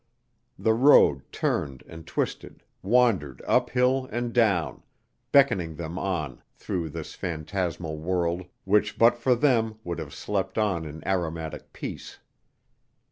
The road turned and twisted, wandered up hill and down, beckoning them on through this phantasmal world which but for them would have slept on in aromatic peace.